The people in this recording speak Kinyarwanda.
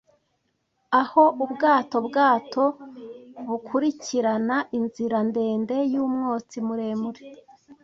Aho ubwato-bwato bukurikirana inzira-ndende yumwotsi muremure,